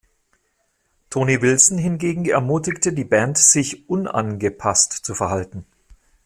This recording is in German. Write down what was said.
Tony Wilson hingegen ermutigte die Band, sich unangepasst zu verhalten.